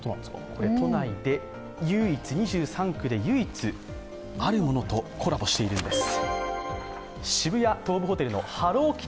これ都内で唯一、２３区で唯一あるものとコラボしているんです。